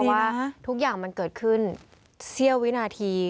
เพราะว่าทุกอย่างมันเกิดขึ้นเสี้ยววินาที